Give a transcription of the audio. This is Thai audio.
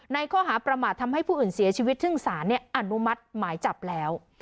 ในข้อหาประมาททำให้ผู้อื่นเสียชีวิตซึ่งสารอนุมัติหมายจับแล้ว